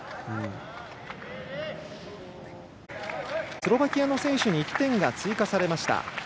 スロバキアの選手に１点が追加されました。